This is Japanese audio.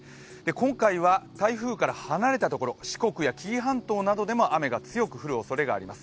今回は台風から離れたところ四国や紀伊半島などでも雨が強く降るおそれがあります。